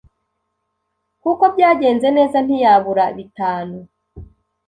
kuko byagenze neza ntiyabura bitanu